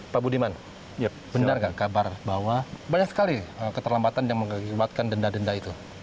pak budiman benar nggak kabar bahwa banyak sekali keterlambatan yang mengakibatkan denda denda itu